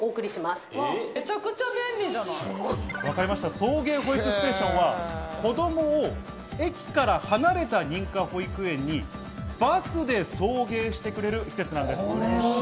送迎保育ステーションは子供を駅から離れた認可保育園にバスで送迎してくれる施設なんです。